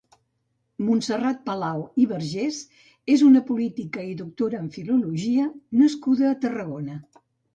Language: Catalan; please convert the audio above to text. Montserrat Palau i Vergés és una política i doctora en filologia nascuda a Tarragona.